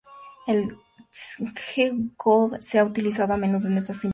El G-code se ha usado a menudo en estas implementaciones.